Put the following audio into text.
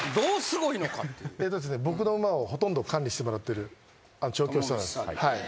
僕の馬をほとんど管理してもらってる調教師さん。